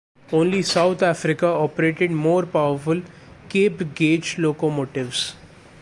Only South Africa operated more powerful Cape gauge locomotives.